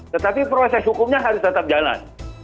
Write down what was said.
tetapi proses hukumnya harus tetap jalan